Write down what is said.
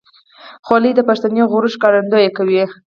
خولۍ د پښتني غرور ښکارندویي کوي.